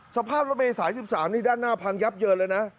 สภาพรถเมย์สาย๑๓นี่ด้านหน้าพังยับเยินเลยนะ